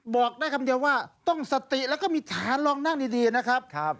บอกได้คำเดียวว่าต้องสติแล้วก็มีฐานลองนั่งดีนะครับ